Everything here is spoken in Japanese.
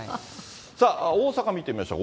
大阪見てみましょう。